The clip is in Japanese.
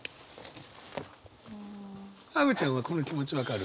アヴちゃんはこの気持ち分かる？